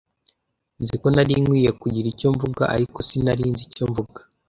Nzi ko nari nkwiye kugira icyo mvuga, ariko sinari nzi icyo mvuga.